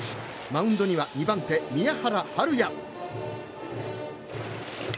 マウンドには２番手宮原明弥。